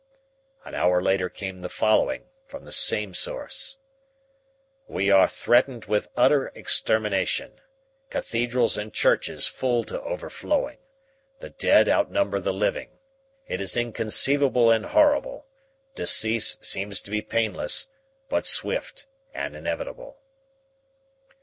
"An hour later came the following, from the same source: "'We are threatened with utter extermination. Cathedrals and churches full to overflowing. The dead outnumber the living. It is inconceivable and horrible. Decease seems to be painless, but swift and inevitable.'